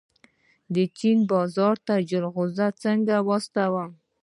د چین بازار ته جلغوزي څنګه واستوم؟